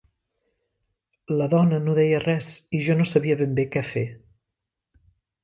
La dona no deia res i jo no sabia ben bé què fer.